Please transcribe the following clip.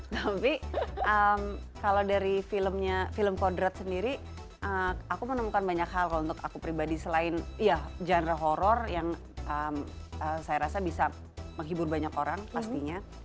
tapi kalau dari film kodrat sendiri aku menemukan banyak hal kalau untuk aku pribadi selain ya genre horror yang saya rasa bisa menghibur banyak orang pastinya